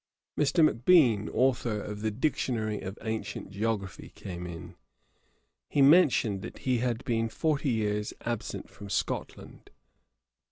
Mr. Macbean, authour of the Dictionary of ancient Geography, came in. He mentioned that he had been forty years absent from Scotland.